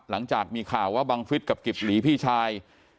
หลังจากมีข่าวว่าบังฟิศกับกิบหลีพี่ชาย